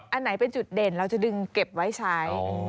อันไหนเป็นจุดเด่นเราจะดึงเก็บไว้ใช้